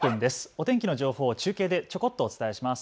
お天気の情報を中継でちょこっとお伝えします。